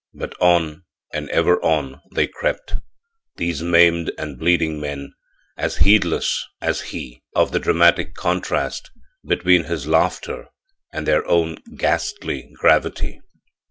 But on and ever on they crept, these maimed and bleeding men, as heedless as he of the dramatic contrast between his laughter and their own ghastly gravity.